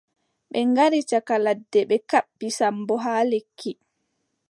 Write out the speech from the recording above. Ɓe ngari caka ladde ɓe kaɓɓi Sammbo haa lekki.